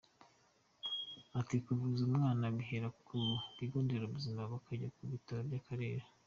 Ati “Kuvuza umwana bihera ku bigo nderabuzima, bakajya ku bitaro by’akarere.